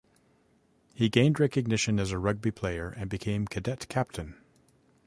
He gained recognition as a rugby player and became cadet captain.